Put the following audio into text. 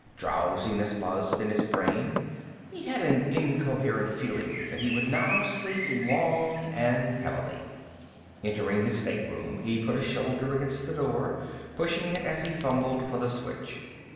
Drowsiness buzzed in his brain. He had an incoherent feeling that he would now sleep long and heavily. Entering his stateroom, he put a shoulder against the door, pushing it to as he fumbled for the switch.